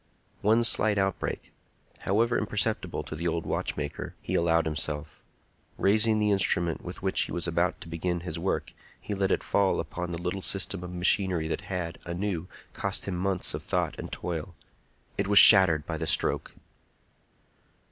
One slight outbreak, however, imperceptible to the old watchmaker, he allowed himself. Raising the instrument with which he was about to begin his work, he let it fall upon the little system of machinery that had, anew, cost him months of thought and toil. It was shattered by the stroke!